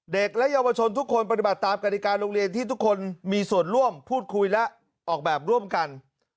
๒เด็กและเยาวชนทุกคนปฏิบัติตามกฎิการโรงเรียน